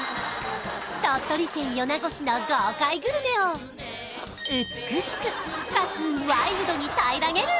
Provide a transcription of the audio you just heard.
鳥取県米子市の豪快グルメを美しくかつワイルドに平らげる！